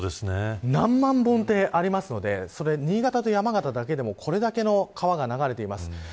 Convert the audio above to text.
何万本ってありますので新潟と山形だけでもこれだけの川が流れています。